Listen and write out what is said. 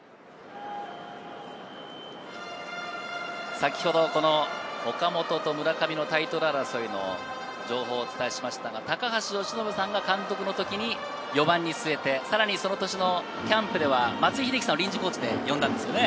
先ほど岡本と村上のタイトル争いの情報を伝えましたが由伸さんが監督の時に４番に据えて、その年のキャンプでは松井秀喜さんを臨時コーチで呼んだんですよね。